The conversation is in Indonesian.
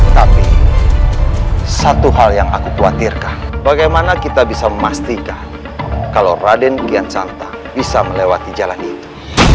tapi satu hal yang aku khawatirkan bagaimana kita bisa memastikan kalau raden kian santa bisa melewati jalan itu